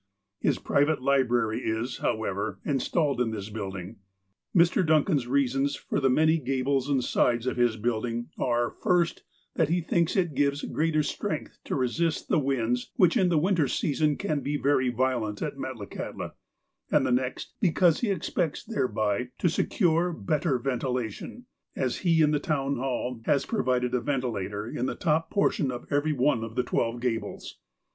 His private library is, however, in stalled in this building. (An illustration of the Guest House will be found on a near by page.) Mr. Duncan's reasons for the many gables and sides of his buildings are, first : that he thinks it gives greater strength to resist the winds, which in the winter season j can be very violent at Metlakahtla, and, next, because he 1 expects thereby to secure better ventilation, as he in the town hall has provided a ventilator in the top portion of every one of the twelve gables.